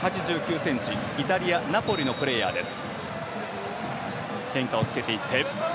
１８９ｃｍ、イタリアナポリのプレーヤーです。